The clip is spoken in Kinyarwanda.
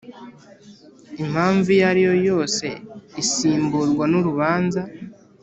impamvu iyo ariyo yose isimburwa n urubanza